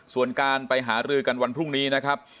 ส่วนการไปหารือกันวันพรุ่งนี้นะครับ